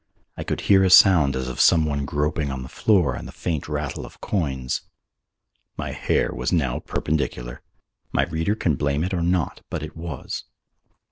I could hear a sound as of some one groping on the floor and the faint rattle as of coins. My hair was now perpendicular. My reader can blame it or not, but it was.